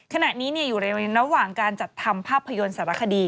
ขณะนี้อยู่ในระหว่างการจัดทำภาพยนตร์สารคดี